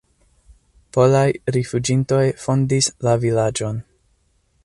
Polaj rifuĝintoj fondis la vilaĝon.